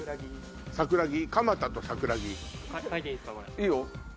・いいよ。